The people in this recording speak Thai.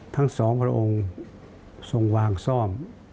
ทั้งสองพระองค์ทรงวางซ่อม